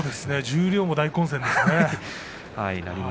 十両も大混戦ですね。